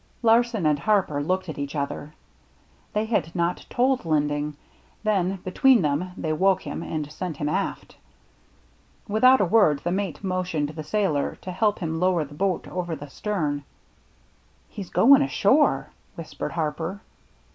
Larsen and Harper looked at each other, — they had not told Linding, — then between them they woke him and sent him aft. Without a word the mate motioned the sailor to help him lower the boat over the stern. "He's goin' ashore," whispered Harper.